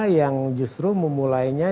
yang justru memulainya